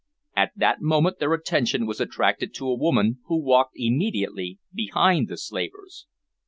At that moment their attention was attracted to a woman who walked immediately behind the slavers.